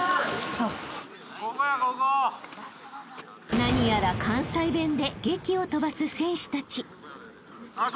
［何やら関西弁でげきを飛ばす選手たち］